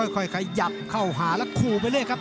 ค่อยขยับเข้าหาแล้วขู่ไปเลยครับ